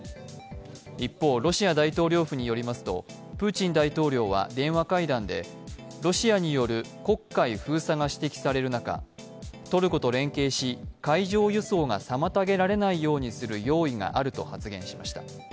一方ロシア大統領府によりますとプーチン大統領は電話会談でロシアによる黒海封鎖が指摘される中、トルコと連携し海上輸送が妨げられないようにする用意があると発言しました。